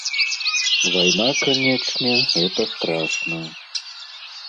Вайна, канечне, гэта страшна.